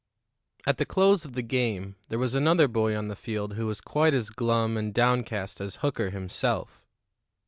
At the close of the game there was another boy on the field who was quite as glum and downcast as Hooker himself.